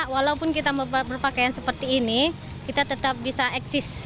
walaupun kita berpakaian seperti ini kita tetap bisa eksis